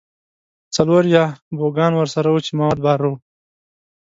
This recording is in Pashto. څلور یا بوګان ورسره وو چې مواد بار وو.